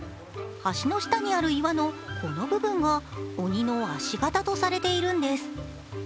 橋の下にある岩のこの部分を、鬼の足形とされているんです。